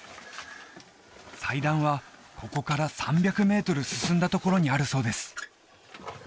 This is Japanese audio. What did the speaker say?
祭壇はここから３００メートル進んだところにあるそうです